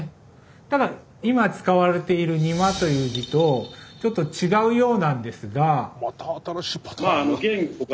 ただ今使われている「にま」という字とちょっと違うようなんですが。